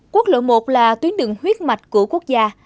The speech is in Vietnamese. quốc lộ một là tuyến đường huyết mạch của quốc gia